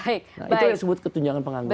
itu yang disebut ketunjangan pengangguran